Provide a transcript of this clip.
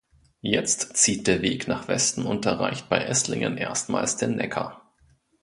Jetzt zieht der Weg nach Westen und erreicht bei Esslingen erstmals den Neckar.